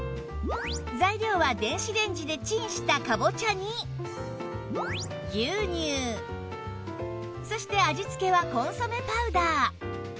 材料は電子レンジでチンしたかぼちゃに牛乳そして味付けはコンソメパウダー